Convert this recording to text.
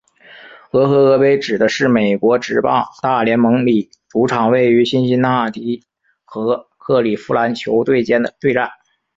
俄亥俄杯指的是美国职棒大联盟里主场位于辛辛那提和克里夫兰球队间的对战。